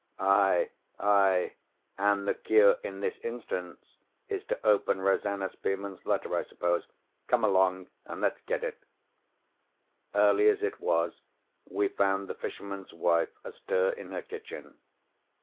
"Aye! aye! and the cure in this instance is to open Rosanna Spearman's letter, I suppose? Come along, and let's get it." Early as it was, we found the fisherman's wife astir in her kitchen.